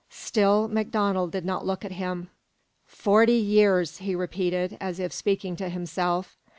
Still MacDonald did not look at him. "Forty years," he repeated, as if speaking to himself.